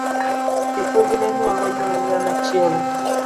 Japuonj no luongo nying ngama chielo.